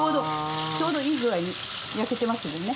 ちょうどいい具合に焼けてますもんね。